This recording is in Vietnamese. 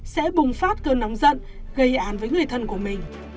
sẽ bùng phát cơn nóng giận gây án với người thân của mình